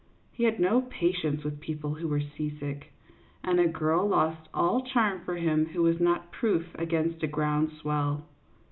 He had no patience with people who were seasick ; and a girl lost all charm for him who was not proof against a ground swell.